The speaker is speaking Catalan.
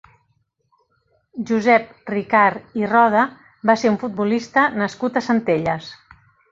Josep Ricart i Roda va ser un futbolista nascut a Centelles.